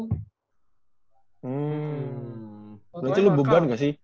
berarti lo beban gak sih